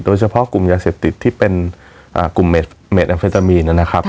โดยเฉพาะกลุ่มยาเสพติดที่เป็นกลุ่มเมดแอมเฟตามีนนะครับ